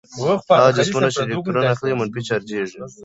هغه جسمونه چې الکترون اخلي منفي چارجیږي.